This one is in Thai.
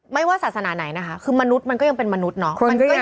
ว่าศาสนาไหนนะคะคือมนุษย์มันก็ยังเป็นมนุษย์เนาะ